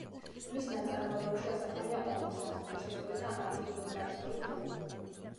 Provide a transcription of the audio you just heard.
მის ნაწარმოებებში ასახულია ომის, ანტიფაშისტური და ანტიმილიტარისტული თემები.